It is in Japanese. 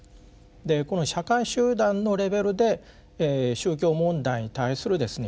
でこの社会集団のレベルで宗教問題に対するですね